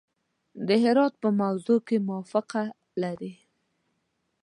د هرات په موضوع کې موافقه لري.